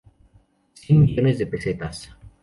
Cien millones de pesetas.